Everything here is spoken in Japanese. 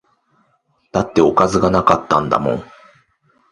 だっておかずが無かったんだもん